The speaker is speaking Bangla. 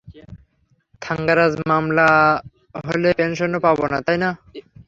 থাঙ্গারাজ, মামলা হলে পেনশনও পাবে না, তাই না?